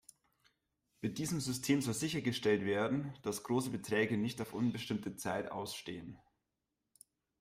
Mit diesem System soll sichergestellt werden, dass große Beträge nicht auf unbestimmte Zeit ausstehen.